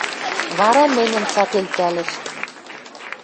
Вара мӹньӹм цат элтӓлӹш